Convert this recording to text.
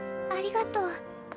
ありがとう。